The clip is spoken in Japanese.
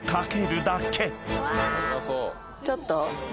ちょっと？